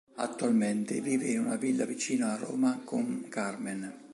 Attualmente vive in una villa vicino a Roma con Carmen.